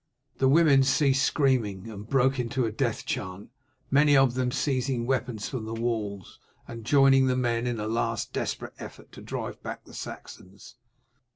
The women ceased screaming and broke into a death chant, many of them seizing weapons from the walls, and joining the men in a last desperate effort to drive back the Saxons.